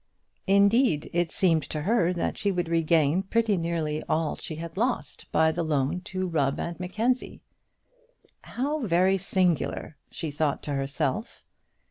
Indeed, it seemed to her that she would regain pretty nearly all she had lost by the loan to Rubb and Mackenzie. "How very singular," thought she to herself.